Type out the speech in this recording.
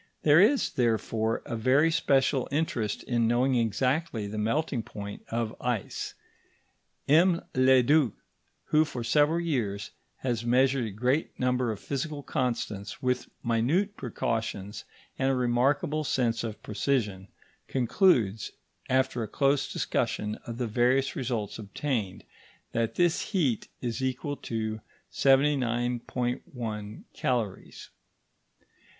There is, therefore, a very special interest in knowing exactly the melting point of ice. M. Leduc, who for several years has measured a great number of physical constants with minute precautions and a remarkable sense of precision, concludes, after a close discussion of the various results obtained, that this heat is equal to 79.1 calories.